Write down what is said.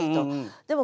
でも